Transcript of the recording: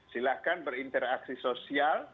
silahkan berinteraksi sosial